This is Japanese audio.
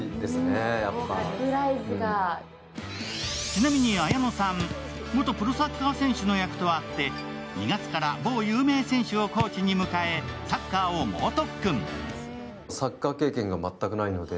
ちなみに綾野さん、元プロサッカー選手の役とあって２月から某有名選手をコーチに迎えサッカーを猛特訓。